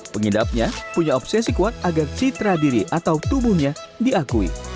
pengidapnya punya obsesi kuat agar citra diri atau tubuhnya diakui